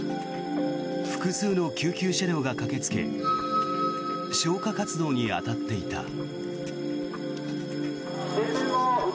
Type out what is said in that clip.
複数の救急車両が駆けつけ消火活動に当たっていた。